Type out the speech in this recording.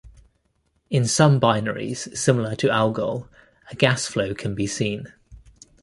In some binaries similar to Algol, a gas flow can be seen.